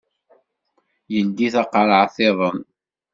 Yeldi taqerɛet-iḍen.